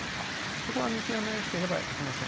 そこは見極めなければいけません。